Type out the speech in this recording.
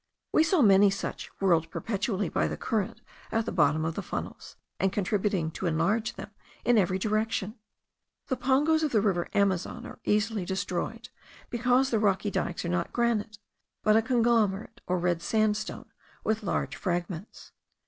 We saw many such, whirled perpetually by the current at the bottom of the funnels, and contributing to enlarge them in every direction. The pongos of the river Amazon are easily destroyed, because the rocky dikes are not granite, but a conglomerate, or red sandstone with large fragments.